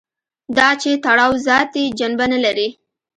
دا چې تړاو ذاتي جنبه نه لري.